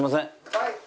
はい。